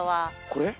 これ？